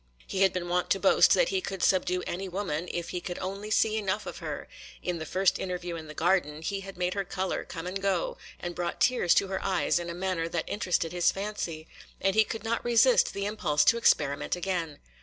He had been wont to boast that he could subdue any woman, if he could only see enough of her: in the first interview in the garden, he had made her colour come and go, and brought tears to her eyes in a manner that interested his fancy, and he could not resist the impulse to experiment again.